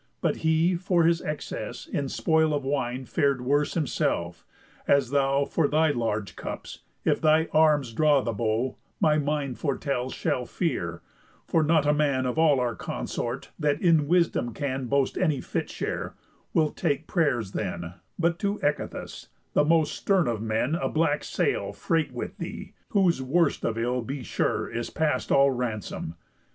But he for his excess In spoil of wine fared worse himself; as thou For thy large cups, if thy arms draw the bow, My mind fortells shalt fear; for not a man Of all our consort, that in wisdom can Boast any fit share, will take prayers then, But to Echetus, the most stern of men, A black sail freight with thee, whose worst of ill, Be sure, is past all ransom.